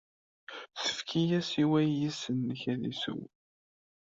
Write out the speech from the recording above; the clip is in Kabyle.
Tefkid-as i wayis-nnek ad isew.